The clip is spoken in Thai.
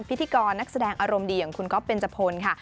พิธีกรนักแสดงอารมณ์ดีอย่างคุณก๊อฟเบนจพลค่ะ